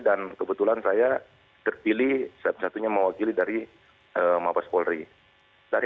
dan kebetulan saya terpilih satu satunya mewakili dari mabes poldri